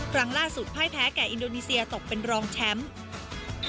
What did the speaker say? ครั้งล่าสุดพ่ายแพ้แก่อินโดนีเซียตกเป็นรองแชมป์